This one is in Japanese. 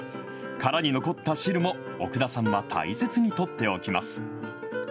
殻に残った汁も、奥田さんは大切に取っておきます。